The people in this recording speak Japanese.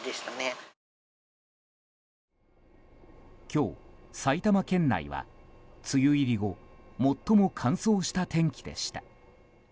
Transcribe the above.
今日、埼玉県内は梅雨入り後最も乾燥した天気でした。